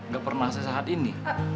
gak pernah se sehat ini